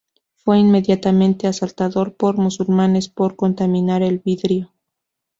Fue inmediatamente asaltado por musulmanes por "contaminar el vidrio".